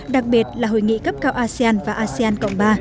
đặc biệt là hội nghị cấp cao asean và asean cộng ba